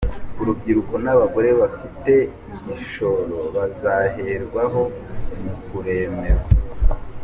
Urubyiruko n’abagore badafite igishoro bazaherwaho mu kuremerwa